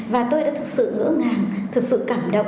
và tôi đã thực sự ngỡ ngàng thực sự cảm động